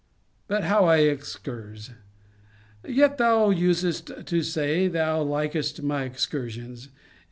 But how I excurse! Yet thou usedst to say, thou likedst my excursions.